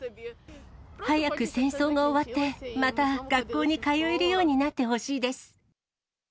早く戦争が終わって、また学校に通えるようになってほしいです。